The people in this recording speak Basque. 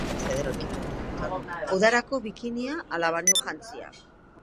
Udarako, bikinia ala bainujantzia?